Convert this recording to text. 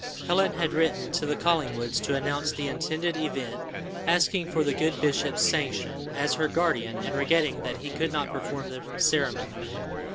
Helen had written to the Collingwoods to announce the intended event, asking for the good bishop's sanction, as her guardian, and regretting that he could not perform the ceremony.